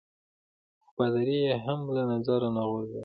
خو پادري يي هم له نظره نه غورځاوه.